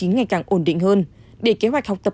ngày càng ổn định hơn để kế hoạch học tập